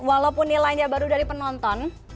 walaupun nilainya baru dari penonton